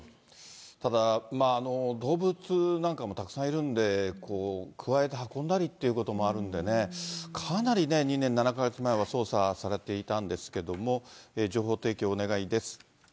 ただ、動物なんかもたくさんいるんで、くわえて運んだりということもあるんでね、かなり２年７か月前は捜査されていたんですけれども、情報提供のお願いです。